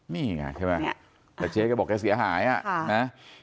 นี่ไงใช่ไหมแต่เจ๊ก็บอกแกเสียหายอ่ะนะ